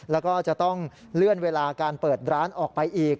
แล้วก็จะต้องเลื่อนเวลาการเปิดร้านออกไปอีก